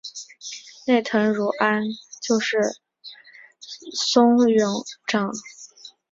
内藤如安就是松永长赖与内藤国贞的女儿所生的儿子。